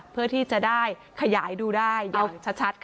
เพื่อที่จะได้ขยายดูได้ยาวชัดค่ะ